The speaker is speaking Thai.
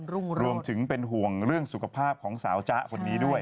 รวมถึงเป็นห่วงเรื่องสุขภาพของสาวจ๊ะคนนี้ด้วย